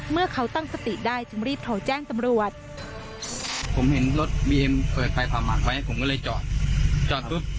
เมื่อเขาตั้งสติได้จึงรีบโทรแจ้งตำรวจ